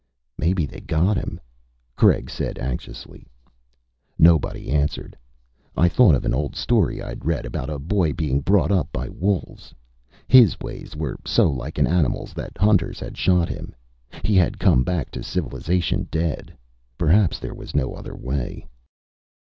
"Maybe they got him," Craig said anxiously. Nobody answered. I thought of an old story I'd read about a boy being brought up by wolves. His ways were so like an animal's that hunters had shot him. He had come back to civilization dead. Perhaps there was no other way.